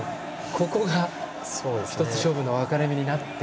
ここが１つ勝負が分かれ目になって。